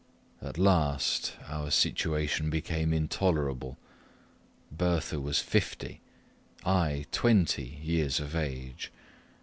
At last our situation became intolerable: Bertha was fifty I twenty years of age.